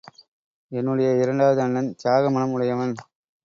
என்னுடைய இரண்டாவது அண்ணன், தியாக மனம் உடையவன்!